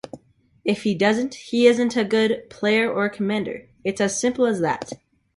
If he doesn't, he isn't a good player or commander...It's as simple as that.